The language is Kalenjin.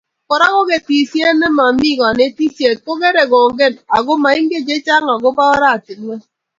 Kora ko ketisiet nemo mi konetisiet kokerei kongen ako moingen chechang agobo oratinwek